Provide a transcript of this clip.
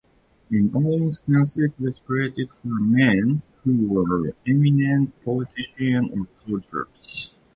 In all instances it was created for men who were eminent politicians or soldiers.